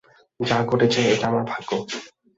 যা ঘটেছে, এটা আমার ভাগ্য।